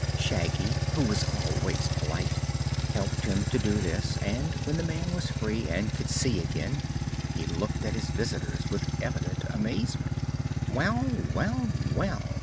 Shaggy, who was always polite, helped him to do this and when the man was free and could see again he looked at his visitors with evident amazement. "Well, well, well!"